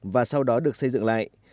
và sau đó được xây dựng lại